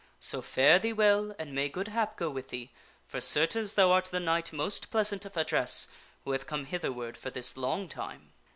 So fare thee well, and may good hap go with thee, for, certes, thou art the Knight most pleasant of address who hath come hitherward for this long time."